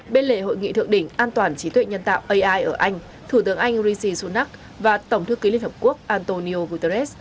bên lề hội nghị thượng đỉnh an toàn trí tuệ nhân tạo ai ở anh thủ tướng anh rishi sunak và tổng thư ký liên hợp quốc antonio guterres